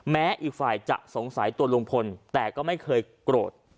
อีกฝ่ายจะสงสัยตัวลุงพลแต่ก็ไม่เคยโกรธ